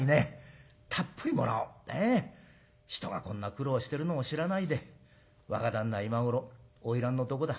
人がこんな苦労してるのを知らないで若旦那は今頃花魁のとこだ。